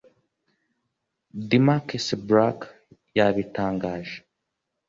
DeMarquis Black yabitangaje